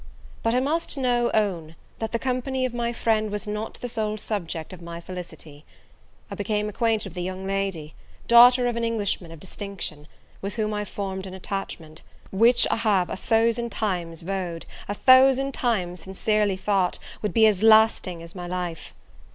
But I must now own, that the company of my friend was not the sole subject of my felicity: I became acquainted with a young lady, daughter of an Englishman of distinction, with whom I formed an attachment, which I have a thousand times vowed, a thousand times sincerely thought, would be lasting as my life.